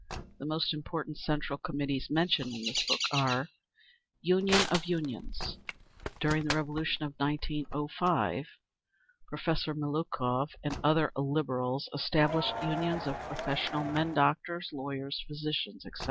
The most important Central Committees mentioned in this book are: Union of Unions. During the Revolution of 1905, Professor Miliukov and other Liberals established unions of professional men—doctors, lawyers, physicians, etc.